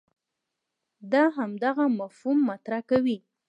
دا همدغه مفهوم مطرح کوي.